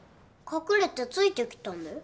隠れてついてきたんだよ。